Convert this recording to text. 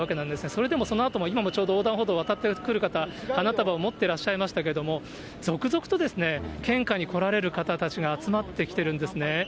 それでもそのあとも、今もちょうど横断歩道渡ってくる方、花束を持ってらっしゃいましたけれども、続々と献花に来られる方たちが集まってきてるんですね。